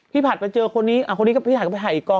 พี่ผัดไปเจอคนนี้คนนี้พี่ภาคก็ไปถ่ายอีกกรอง